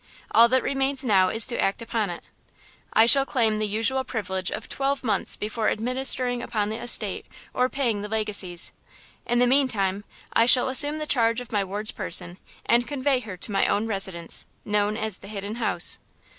All that remains now is to act upon it. I shall claim the usual privilege of twelve months before administering upon the estate or paying the legacies. In the mean time, I shall assume the charge of my ward's person, and convey her to my own residence, known as the Hidden House.